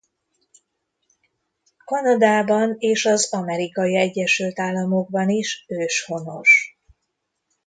Kanadában és az Amerikai Egyesült Államokban is őshonos.